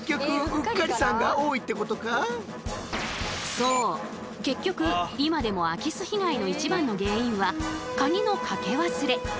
そう結局今でも空き巣被害の一番の原因はカギのかけ忘れ。